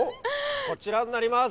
こちらになります！